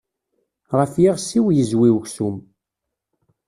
Ɣef iɣes-iw yezwi uksum.